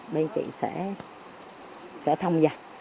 bên chị sẽ thông gia